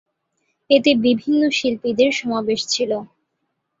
এতে বিভিন্ন শিল্পীদের সমাবেশ ছিলো।